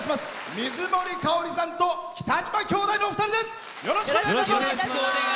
水森かおりさんと北島兄弟のお二人です。